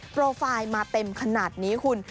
โปรไฟล์มาเต็มขนาดนี้คุณ